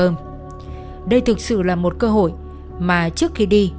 mà trước khi đi